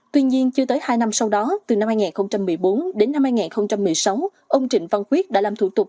tuy nhiên chưa tới hai năm sau đó từ năm hai nghìn một mươi bốn đến năm hai nghìn một mươi sáu ông trịnh văn quyết đã làm thủ tục